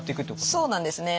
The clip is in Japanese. そうなんですね。